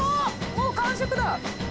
もう完食だ。